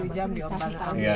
satu jam diopera